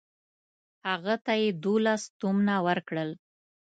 هغه ته یې دوولس تومنه ورکړل.